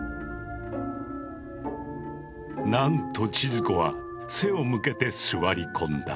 なんと千鶴子は背を向けて座り込んだ。